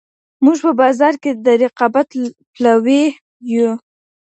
موږ په بازار کي د رقابت پلوي یو.